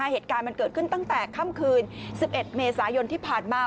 เหตุการณ์มันเกิดขึ้นตั้งแต่ค่ำคืน๑๑เมษายนที่ผ่านมา